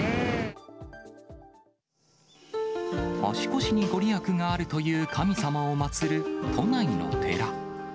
足腰に御利益があるという神様を祭る、都内の寺。